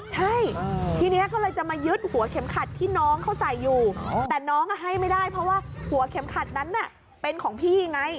ใช่ทีนี้ก็เลยจะมายึดหัวเข็มขัดที่น้องเขาใส่อยู่แต่น้องให้ไม่ได้เพราะว่าหัวเข็มขัดนั้นเป็นของพี่ไง